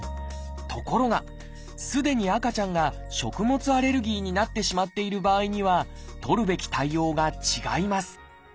ところがすでに赤ちゃんが食物アレルギーになってしまっている場合には取るべき対応が違います